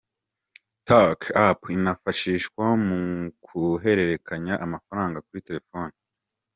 TorQue App inifashishwa mu guhererekanya amafaranga kuri terefone.